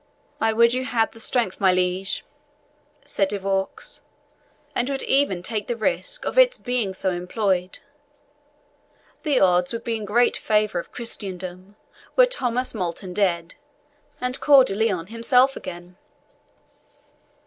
"I would you had the strength, my liege," said De Vaux, "and would even take the risk of its being so employed. The odds would be great in favour of Christendom were Thomas Multon dead and Coeur de Lion himself again."